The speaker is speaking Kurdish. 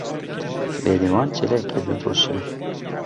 Bêrîvan çêlekê didoşe.